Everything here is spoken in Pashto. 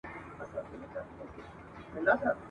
خدای د عقل په تحفه دی نازولی !.